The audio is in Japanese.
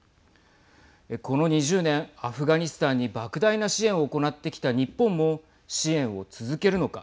この２０年、アフガニスタンにばく大な支援を行ってきた日本も支援を続けるのか。